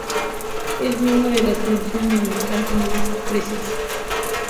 Es miembro de la "Association of American University Presses".